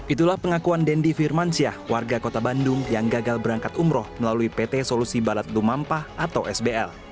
itulah pengakuan dendi firmansyah warga kota bandung yang gagal berangkat umroh melalui pt solusi balad lumampah atau sbl